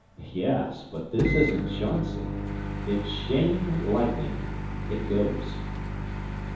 "Yes, but this isn't Chauncey. It's Cheyne lightning. It goes."